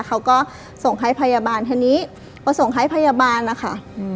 เขาก็ส่งให้พยาบาลทีนี้พอส่งให้พยาบาลนะคะ